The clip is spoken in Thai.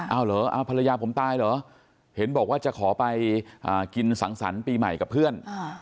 เอาเหรอเอาภรรยาผมตายเหรอเห็นบอกว่าจะขอไปกินสังสรรค์ปีใหม่กับเพื่อน